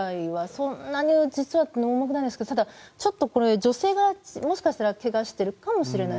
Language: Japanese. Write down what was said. そんなに実は重くないんですけど女性がもしかしたらけがしているかもしれない。